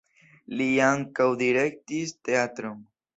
Li ankaŭ direktis teatron.